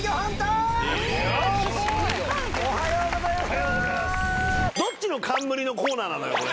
おはようございます！